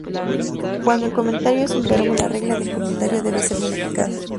Cuando el comentario es un verbo, la "regla del comentario" debe ser modificada.